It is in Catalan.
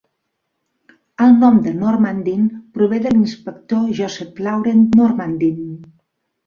El nom de Normandin prové de l"inspector Joseph-Laurent Normandin.